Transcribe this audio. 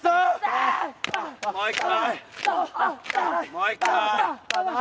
もう一回！